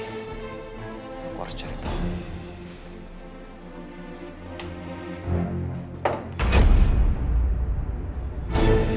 aku harus cari tahu